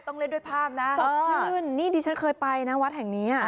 เล่นด้วยภาพนะสดชื่นนี่ดิฉันเคยไปนะวัดแห่งนี้อ่ะ